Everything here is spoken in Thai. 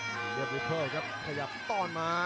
พรีเรียตบิเพอะซ์ครับขยับต้อนมา